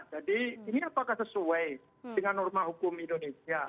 jadi ini apakah sesuai dengan norma hukum indonesia